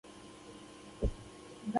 ایا ستاسو مخ به نه ځلیږي؟